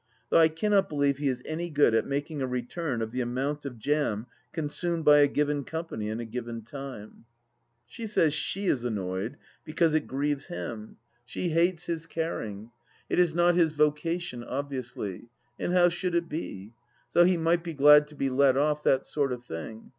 Though I cannot believe he is any good at making a return of the amount of jam consumed by a given company in a given time. ... She says she is annoyed because it grieves him. Sh« THE LAST DITCH 305 hates his caring. It is not his vocation, obviously ; and how should it be ? So he might be glad to be let off that sort of thing.